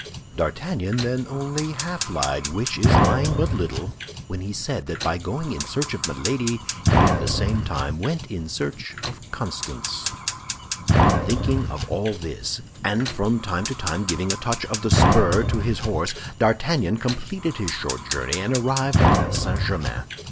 D'Artagnan then only half lied, which is lying but little, when he said that by going in search of Milady he at the same time went in search of Constance. Thinking of all this, and from time to time giving a touch of the spur to his horse, D'Artagnan completed his short journey, and arrived at St. Germain.